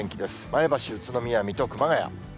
前橋、宇都宮、水戸、熊谷。